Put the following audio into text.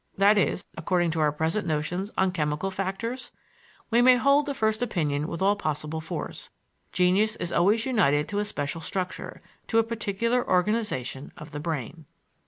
that is, according to our present notions, on chemical factors? We may hold the first opinion with all possible force. Genius is always united to a special structure, to a particular organization of the brain."